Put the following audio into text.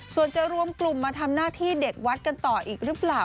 ส่วนจะรวมกลุ่มมาทำหน้าที่เด็กวัดกันต่ออีกหรือเปล่า